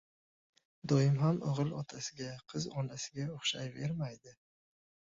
• Doim ham og‘il otasiga, qiz onasiga o‘xshayvermaydi.